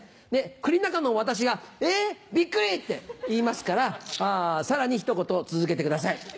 クリの中の私が「えビックリ！」って言いますからさらにひと言続けてください。